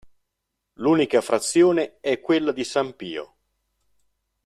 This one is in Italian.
L'unica frazione è quella di San Pio.